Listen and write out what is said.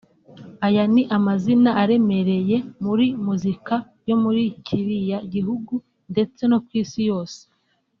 Aya ni amazina aremereye muri muzika yo muri kiriya gihugu ndetse no ku isi yose